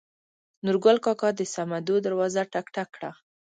نورګل کاکا د سمدو دروازه ټک ټک کړه.